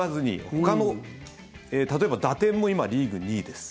ほかの、例えば打点も今、リーグ２位です。